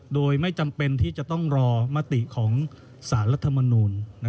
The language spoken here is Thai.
โดยไม่จำเป็นที่จะต้องรอมติของสารรัฐมนูล